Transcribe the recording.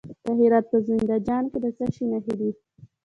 د هرات په زنده جان کې د څه شي نښې دي؟